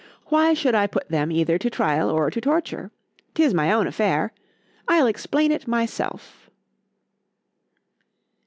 —Why should I put them either to trial or to torture? 'Tis my own affair: I'll explain it myself.